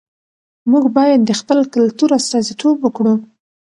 موږ بايد د خپل کلتور استازیتوب وکړو.